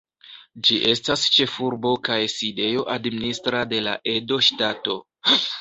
Ĝi estas ĉefurbo kaj sidejo administra de la Edo Ŝtato.